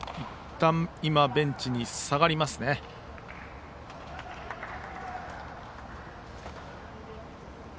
いったんベンチに下がりますね。